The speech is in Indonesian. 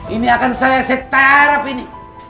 ini akan saya setarap ini